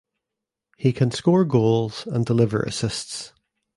He can score goals and deliver assists.